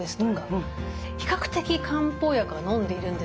比較的漢方薬はのんでいるんですが。